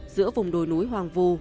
giữa vùng đồi núi hoang vu